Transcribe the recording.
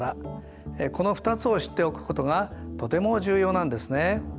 この２つを知っておくことがとても重要なんですね。